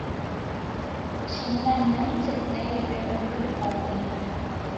சின்னண்ணன் செத்த இழவுக்குப் போனேன்.